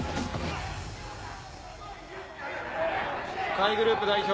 甲斐グループ代表